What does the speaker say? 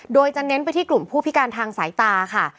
โดยจะเน้นไปที่กลุ่มผู้พิการทางสายตาค่ะ